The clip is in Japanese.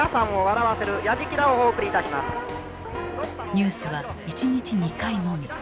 ニュースは１日２回のみ。